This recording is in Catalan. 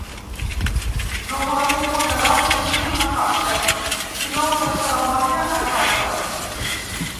No volem un funeral que sigui una farsa, sinó una cerimònia a casa.